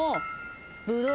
ブドウ。